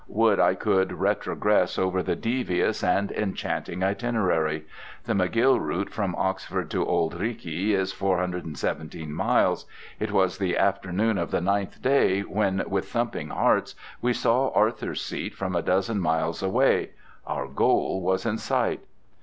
Would I could retrogress over the devious and enchanting itinerary. The McGill route from Oxford to Auld Reekie is 417 miles; it was the afternoon of the ninth day when with thumping hearts we saw Arthur's Seat from a dozen miles away. Our goal was in sight!